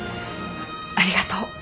ありがとう。